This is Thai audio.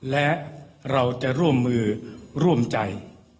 และเราจะร่วมมือร่วมใจ